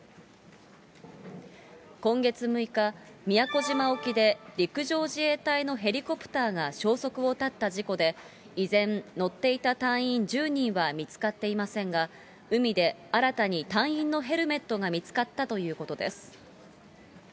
今月６日、宮古島沖で陸上自衛隊のヘリコプターが消息を絶った事故で、依然、乗っていた隊員１０人は見つかっていませんが、海で新たに隊員のヘルメットが見つかったということです。